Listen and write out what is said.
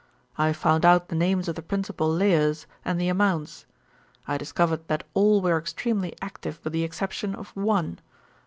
I found out the names of the principal layers and the amounts. I discovered that all were extremely active with the exception of one.